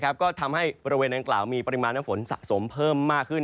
ก็ทำให้บริเวณดังกล่าวมีปริมาณน้ำฝนสะสมเพิ่มมากขึ้น